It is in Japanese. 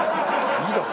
いいだろ。